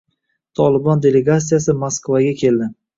«Tolibon» delegatsiyasi Moskvaga keldi